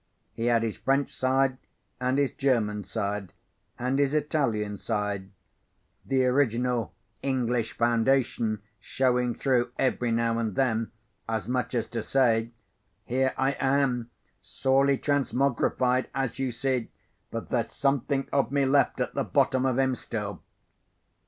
He had his French side, and his German side, and his Italian side—the original English foundation showing through, every now and then, as much as to say, "Here I am, sorely transmogrified, as you see, but there's something of me left at the bottom of him still."